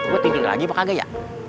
gue tidur lagi apa kagak ya